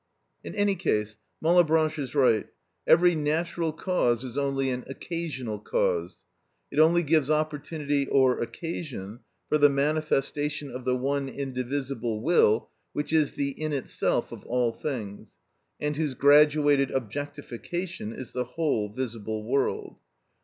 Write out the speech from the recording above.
In any case Malebranche is right: every natural cause is only an occasional cause. It only gives opportunity or occasion for the manifestation of the one indivisible will which is the "in itself" of all things, and whose graduated objectification is the whole visible world.